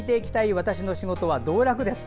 私の仕事は導楽です。